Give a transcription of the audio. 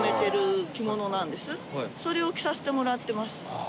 それを着させてもらってます。